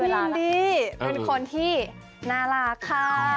พี่อินดี้เป็นคนที่น่ารักค่ะ